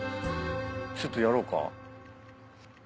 ちょっとやろうか？